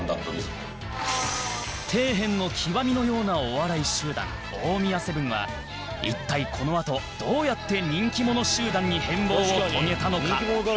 底辺の極みのようなお笑い集団大宮セブンは一体このあとどうやって人気者集団に変貌を遂げたのか？